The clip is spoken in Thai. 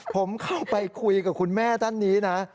ผมเข้าไปคุยกับคุณแม่ท่านนี้นะ